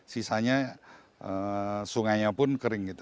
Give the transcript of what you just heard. sisanya sungainya pun kering gitu